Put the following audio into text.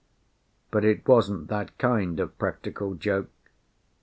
But it wasn't that kind of practical joke.